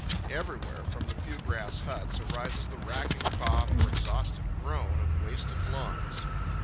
Everywhere, from the few grass huts, arises the racking cough or exhausted groan of wasted lungs.